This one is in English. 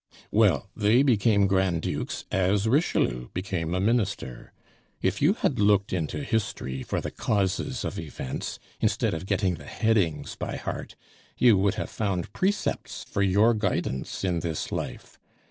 "Well, they became Grand Dukes as Richelieu became a minister. If you had looked into history for the causes of events instead of getting the headings by heart, you would have found precepts for your guidance in this life.